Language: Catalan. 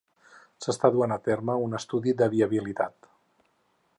S'està duent a terme un estudi de viabilitat.